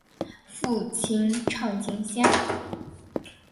父亲畅敬先。